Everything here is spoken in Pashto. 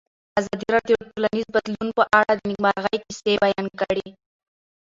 ازادي راډیو د ټولنیز بدلون په اړه د نېکمرغۍ کیسې بیان کړې.